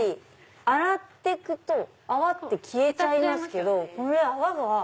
洗ってくと泡って消えちゃいますけどこれ泡が。